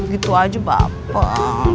gitu aja bapak